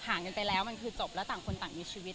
กันไปแล้วมันคือจบแล้วต่างคนต่างมีชีวิต